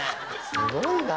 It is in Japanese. すごいな。